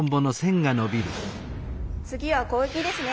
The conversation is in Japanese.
次は攻撃ですね。